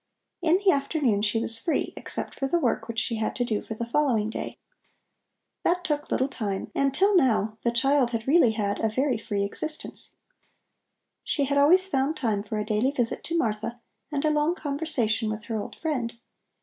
In the afternoon she was free, except for the work which she had to do for the following day. That took little time and till now the child had really had a very free existence. She had always found time for a daily visit to Martha and a long conversation with her old friend.